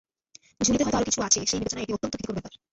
ঝুলিতে হয়তো আরও কিছু আছে, সেই বিবেচনায় এটা অত্যন্ত ভীতিকর ব্যাপার।